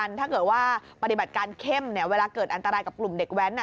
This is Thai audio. ถ้าเกิดว่าปฏิบัติการเข้มเนี่ยเวลาเกิดอันตรายกับกลุ่มเด็กแว้น